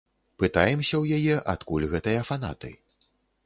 Пытаемся ў яе, адкуль гэтыя фанаты.